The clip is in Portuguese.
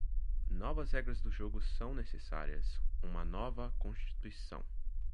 Novas regras do jogo são necessárias, uma nova Constituição.